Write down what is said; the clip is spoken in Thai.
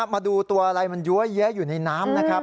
มาดูตัวอะไรมันยั้วแยะอยู่ในน้ำนะครับ